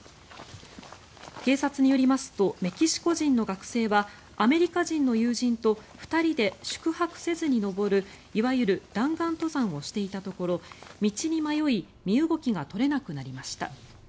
警察によりますとメキシコ人の学生はアメリカ人の友人と２人で宿泊せずに登るいわゆる弾丸登山をしていたところ道に迷い身動きが取れなくなりました。